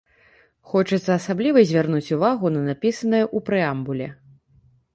Хочацца асабліва звярнуць увагу на напісанае ў прэамбуле.